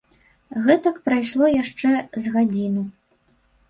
Гэтак прайшло яшчэ з гадзіну.